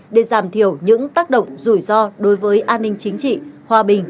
để giảm thiểu những tác động rủi ro đối với an ninh chính trị hòa bình